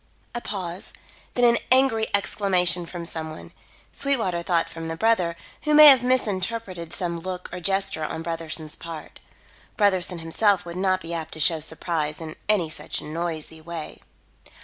A pause; then an angry exclamation from some one. Sweetwater thought from the brother, who may have misinterpreted some look or gesture on Brotherson's part. Brotherson himself would not be apt to show surprise in any such noisy way.